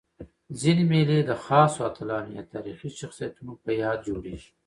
ځيني مېلې د خاصو اتلانو یا تاریخي شخصیتونو په یاد جوړيږي.